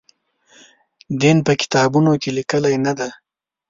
دین په کتابونو کې لیکلي نه دی.